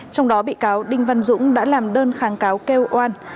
trong đó bị cáo đinh văn dũng đã làm đơn kháng cáo kêu oan